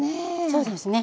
そうですね。